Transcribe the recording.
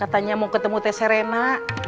katanya mau ketemu tess herena